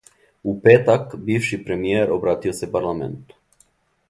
У петак, бивши премијер обратио се парламенту.